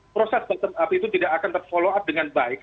proses bottom up itu tidak akan ter follow up dengan baik